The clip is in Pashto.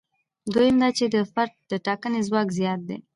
دویم دا چې د فرد د ټاکنې ځواک زیات کړي.